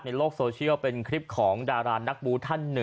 ในโลกโซเชียลเป็นคลิปของดารานักบูท่านหนึ่ง